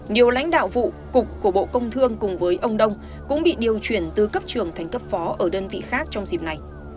nhiều lãnh đạo vụ cục của bộ công thương cùng với ông đông cũng bị điều chuyển từ cấp trưởng thành cấp phó ở đơn vị khác trong dịp này